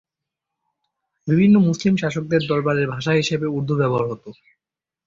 বিভিন্ন মুসলিম শাসকদের দরবারের ভাষা হিসেবে উর্দু ব্যবহার হত।